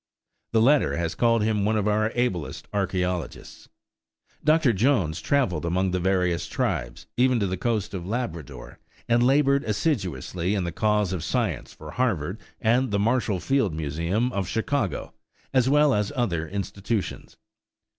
The latter has called him one of our ablest archæologists. Dr. Jones travelled among the various tribes, even to the coast of Labrador, and labored assiduously in the cause of science for Harvard and the Marshall Field Museum of Chicago, as well as other institutions.